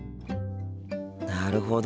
なるほど。